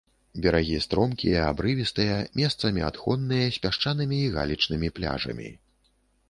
Берагі стромкія абрывістыя, месцамі адхонныя з пясчанымі і галечнымі пляжамі.